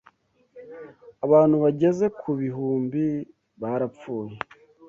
Abantu bageze ku bihumbi barapfuye